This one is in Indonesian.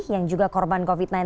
yang juga korban covid sembilan belas